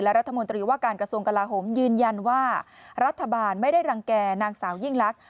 รัฐมนตรีว่าการกระทรวงกลาโหมยืนยันว่ารัฐบาลไม่ได้รังแก่นางสาวยิ่งลักษณ